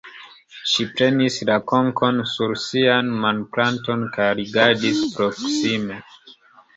Ŝi prenis la konkon sur sian manplaton kaj rigardis proksime.